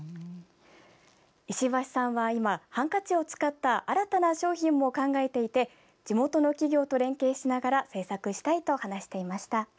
石橋さんは今、ハンカチを使った新たな商品も考えていて地元の企業と連携しながら制作したいと話していました。